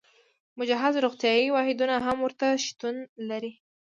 مجهز روغتیايي واحدونه هم ورته شتون لري.